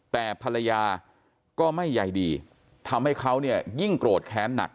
แต่ภรรยาก็ไม่ใยดีทำให้เขาเนี่ยยิ่งโกรธแค้นหนัก